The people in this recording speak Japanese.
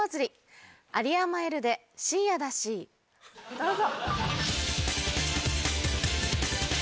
どうぞ。